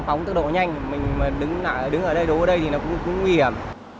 nó bóng tốc độ nhanh mình mà đứng ở đây đố ở đây thì nó cũng nguy hiểm